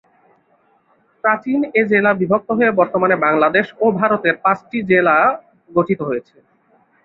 প্রাচীন এ জেলা বিভক্ত হয়ে বর্তমানে বাংলাদেশ ও ভারতের পাঁচটি জেলা গঠিত হয়েছে।